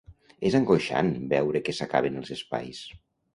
És angoixant veure que s’acaben els espais